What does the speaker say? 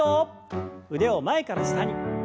腕を前から下に。